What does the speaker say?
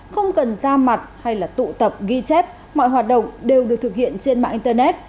không cần ra mặt hay là tụ tập ghi chép mọi hoạt động đều được thực hiện trên mạng internet